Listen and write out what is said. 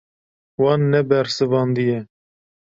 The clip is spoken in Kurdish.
Wan nebersivandiye.